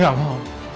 gue gak mau